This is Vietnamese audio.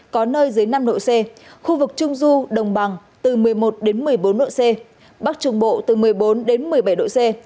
có nơi dưới năm độ c khu vực trung du đồng bằng từ một mươi một đến một mươi bốn độ c bắc trung bộ từ một mươi bốn đến một mươi bảy độ c